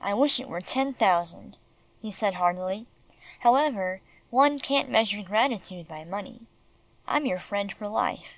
"I wish it were ten thousand," he said heartily. "However, one can't measure gratitude by money. I'm your friend for life."